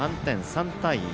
３対１。